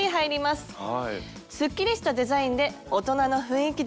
すっきりしたデザインで大人の雰囲気です！